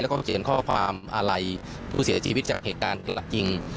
และเขียนข้อความอาไรผู้เสียชีวิตจากเหตุการณ์กลับจริง